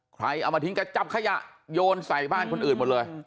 ใครเอามาทิ้งแกจับขยะโยนใส่บ้านคนอื่นหมดเลย